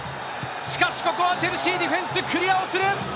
しかし、ここはチェルシーディフェンス、クリアをする。